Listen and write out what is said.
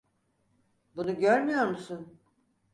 Bunu görmüyor musun?